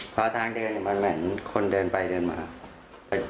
พอทางเดินมันเหมือนคนเดินไปเดินมา